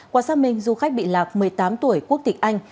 qua xác minh du khách bị lạc một mươi tám tuổi quốc tịch anh